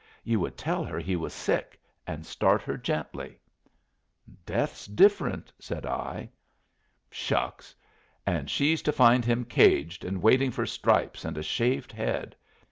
You would tell her he was sick, and start her gently." "Death's different," said I. "Shucks! And she's to find him caged, and waiting for stripes and a shaved head?